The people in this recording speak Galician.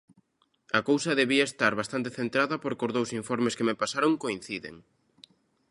A cousa debía estar bastante centrada porque os dous informes que me pasaron coinciden.